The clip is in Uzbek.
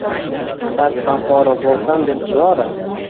Darddan forigʼ boʼlsam deb zora